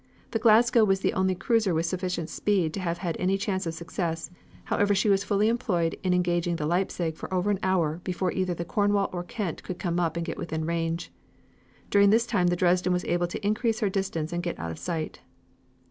The Glasgow was the only cruiser with sufficient speed to have had any chance of success, however she was fully employed in engaging the Leipzig for over an hour before either the Cornwall or Kent could come up and get within range. During this time the Dresden was able to increase her distance and get out of sight.